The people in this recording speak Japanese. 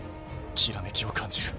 煌めきを感じる。